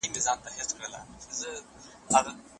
دا شعر چه سړی هر څومره اوږدواوږدوي